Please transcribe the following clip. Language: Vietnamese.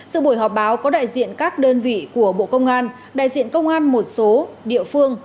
sự buổi họp báo có đại diện các đơn vị của bộ công an đại diện công an một số địa phương